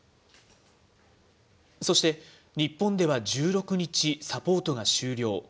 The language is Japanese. そして、日本では１６日、サポートが終了。